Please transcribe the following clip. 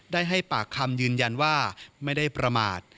ให้ปากคำยืนยันว่าไม่ได้ประมาท